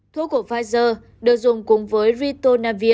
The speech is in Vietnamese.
thuốc của pfizer được dùng cùng với ritonavir